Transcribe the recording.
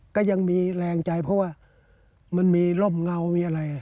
ก็ยังมีแรงใจเพราะว่ามันมีร่มเงามีอะไร